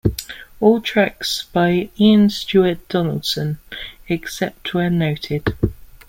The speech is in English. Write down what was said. All tracks by Ian Stuart Donaldson, except where noted.